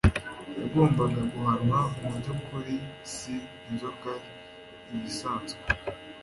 yagombaga guhanwa mu by ukuri si inzoka iyi isanzwe